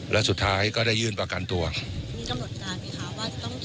แล้วสุดท้ายก็ได้ยื่นประกันตัวมีกำหนดการค่ะว่าต้องเขียนไปในกี่วัน